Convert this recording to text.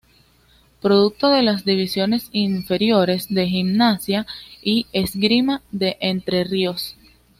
Producto de las divisiones inferiores de Gimnasia y Esgrima de Entre Ríos.